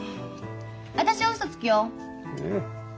私はうそつくよ。